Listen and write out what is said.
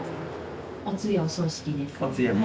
お通夜お葬式です。